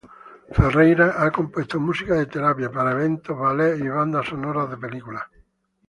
Ferreyra ha compuesto música de terapia, para eventos, ballet y bandas sonoras de películas.